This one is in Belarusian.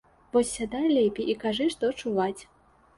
Вось сядай лепей і кажы, што чуваць.